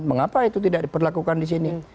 mengapa itu tidak diperlakukan di sini